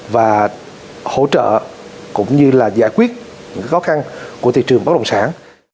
và hỗ trợ cũng như là giải quyết những khó khăn của thị trường bất động sản